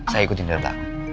saya ikutin dari belakang